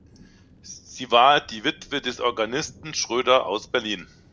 Sie war die Witwe des Organisten Schröder aus Berlin.